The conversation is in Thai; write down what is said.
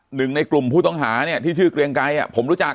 หนึ่งในกลุ่มผู้ต้องหาเนี่ยที่ชื่อเกรียงไกรผมรู้จัก